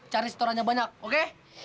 cari setorannya banyak oke